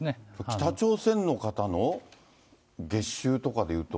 北朝鮮の方の月収とかで言うと。